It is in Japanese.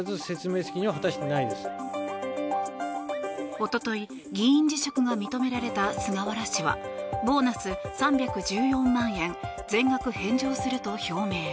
一昨日議員辞職が認められた菅原氏はボーナス３１４万円全額返上すると表明。